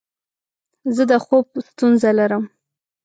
زه د خوب ستونزه لرم.